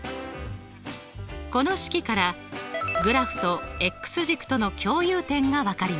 この式からグラフと軸との共有点が分かります。